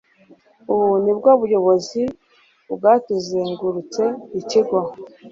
Ubu ni bwo buyobozi bwatuzengurutse ikigo.